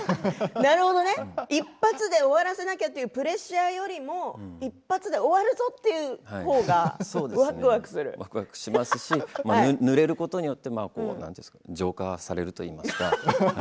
なるほどね１発で終わらせなきゃというプレッシャーよりも１発で終わるぞというほうがわくわくしますしぬれることによって浄化されるといいますか。